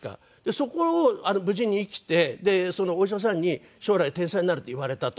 そこを無事に生きてお医者さんに「将来天才になる」って言われたと。